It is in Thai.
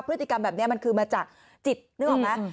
พฤติกรรมแบบนี้มันคือมาจากจิตนึกออกไหม